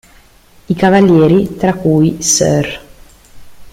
I cavalieri, tra cui Sir.